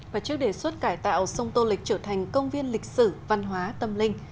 và trước đề xuất cải tạo sông tô lịch trở thành công viên lịch sử văn hóa tâm linh